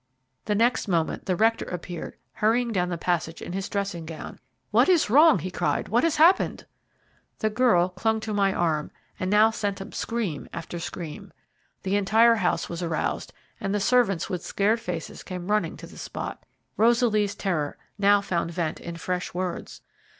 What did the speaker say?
The next moment the rector appeared hurrying down the passage in his dressing gown. "What is wrong?" he cried; "what has happened?" The girl clung to my arm, and now sent up scream after scream. The entire house was aroused, and the servants with scared faces came running to the spot. Rosaly's terror now found vent in fresh words.